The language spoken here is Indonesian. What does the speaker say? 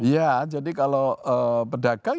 ya jadi kalau pedagang